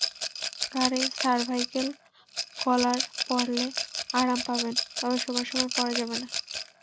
ঘাড়ে cervical collar পরলে আরাম পাবেন, তবে শোবার সময় পরা যাবে না।